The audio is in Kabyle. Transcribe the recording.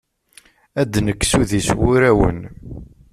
Ad d-nekkes udi s wurawen.